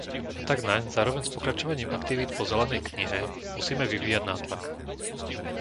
A tak naň, zároveň s pokračovaním aktivít po zelenej knihe, musíme vyvíjať nátlak.